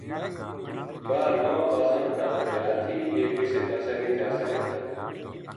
باہر دواں پاساں دا دریا تھی یہ کِسے پاسے نیہہ جا سکے تھا